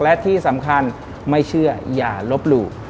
และที่สำคัญไม่เชื่ออย่าลบหลู่